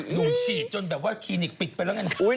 หนูฉีดจนแบบว่าคลีนิกส์ปิดไปแล้วนั่น